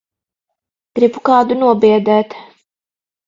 Gribu kādu nobiedēt.